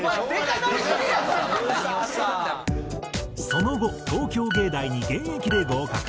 その後東京藝大に現役で合格。